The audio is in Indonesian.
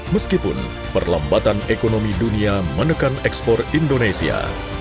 meskipun perlambatan ekonomi dunia menekan ekspor indonesia